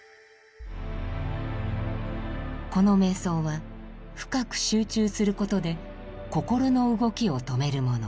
この瞑想は深く集中することで心の動きを止めるもの。